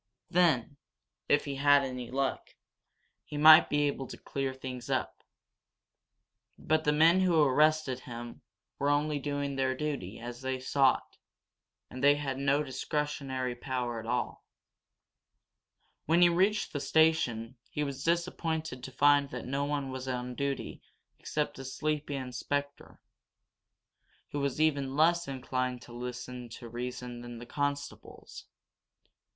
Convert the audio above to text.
Then, if he had any luck, he might be able to clear things up. But the men who arrested him were only doing their duty as they saw it, and they had no discretionary power at all. When he reached the station he was disappointed to find that no one was on duty except a sleepy inspector, who was even less inclined to listen to reason than the constables.